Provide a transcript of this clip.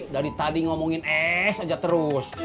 dari tadi ngomongin es aja terus